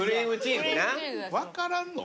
分からんの？